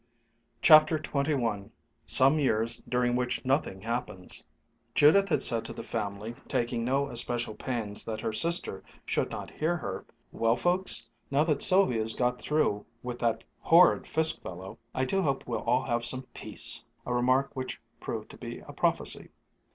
CHAPTER XXI SOME YEARS DURING WHICH NOTHING HAPPENS Judith had said to the family, taking no especial pains that her sister should not hear her, "Well, folks, now that Sylvia's got through with that horrid Fiske fellow, I do hope we'll all have some peace!" a remark which proved to be a prophecy.